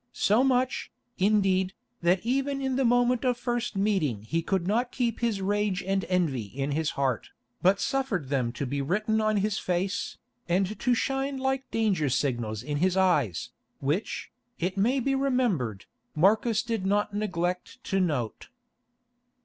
So much, indeed, that even in the moment of first meeting he could not keep his rage and envy in his heart, but suffered them to be written on his face, and to shine like danger signals in his eyes, which, it may be remembered, Marcus did not neglect to note.